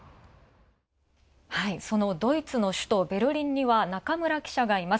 そのドイツの首都、ベルリンには、中村記者がいます。